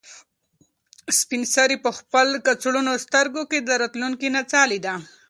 سپین سرې په خپل کڅوړنو سترګو کې د راتلونکي نڅا لیده.